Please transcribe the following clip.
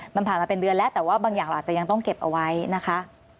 มันผ่านมาเป็นเดือนแล้วแต่ว่าบางอย่างเราอาจจะยังต้องเก็บเอาไว้นะคะ